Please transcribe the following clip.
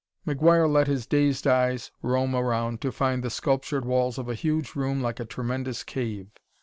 McGuire let his dazed eyes roam around to find the sculptured walls of a huge room like a tremendous cave.